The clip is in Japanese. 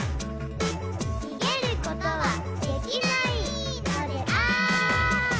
「逃げることはできないのである」